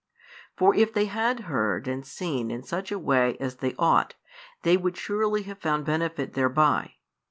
For if they had heard and seen in such a way as they ought, they would surely have found benefit thereby.